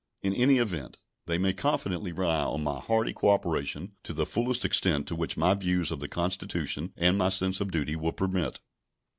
In any event, they may confidently rely on my hearty cooperation to the fullest extent to which my views of the Constitution and my sense of duty will permit.